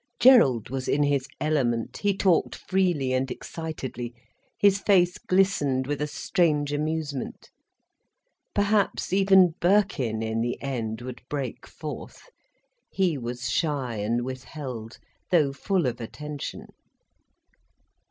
Gerald was in his element, he talked freely and excitedly, his face glistened with a strange amusement. Perhaps even Birkin, in the end, would break forth. He was shy and withheld, though full of attention.